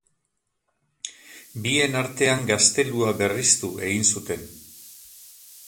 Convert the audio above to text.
Bien artean gaztelua berriztu egin zuten.